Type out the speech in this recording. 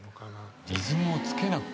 リズムをつけなくて。